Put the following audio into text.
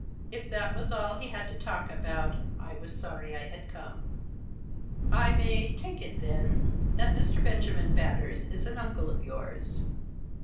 If that was all he had to talk about I was sorry I had come, " I may take it, then, that Mr. Benjamin Batters is an uncle of yours."